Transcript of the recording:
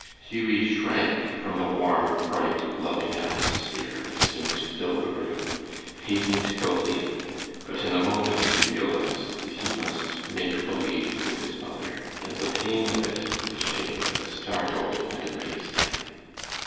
Hughie shrank from the warm, bright, loving atmosphere that seemed to fill the room, hating to go in, but in a moment he realized that he must "make believe" with his mother, and the pain of it and the shame of it startled and amazed him.